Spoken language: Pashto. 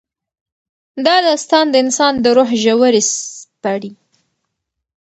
دا داستان د انسان د روح ژورې سپړي.